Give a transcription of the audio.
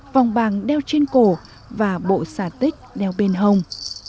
vòng bằng đeo trên cổ và bộ xà tích đeo bên hồng